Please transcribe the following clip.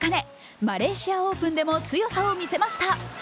マレーシアオープンでも強さを見せました。